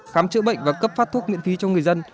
khám chữa bệnh và cấp phát thuốc miễn phí cho người dân